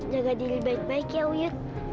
jaga diri baik baik ya uy